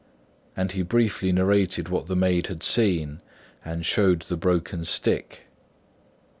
And he briefly narrated what the maid had seen, and showed the broken stick.